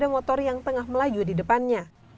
sepeda motor yang tengah melaju di depannya